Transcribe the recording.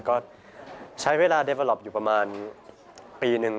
ก็ใช้เวลาคิดสร้างอยู่ประมาณปีหนึ่ง